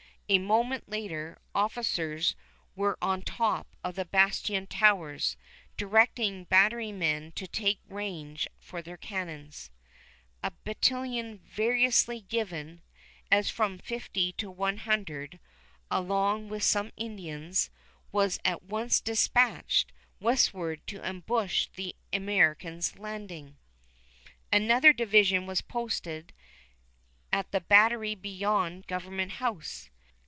A moment later officers were on top of the bastion towers, directing battery men to take range for their cannon. A battalion variously given as from fifty to one hundred, along with some Indians, was at once dispatched westward to ambush the Americans landing. Another division was posted at the battery beyond Government House.